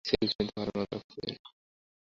Selfie নিতে ভালোই মজা লাগছিল, তাই না?